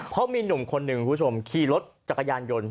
เพราะมีหนุ่มคนหนึ่งคุณผู้ชมขี่รถจักรยานยนต์